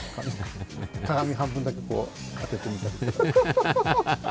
鏡、半分だけあててみたり。